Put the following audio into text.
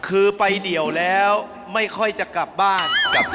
คือไปเดี่ยวแล้วไม่ค่อยจะกลับบ้าน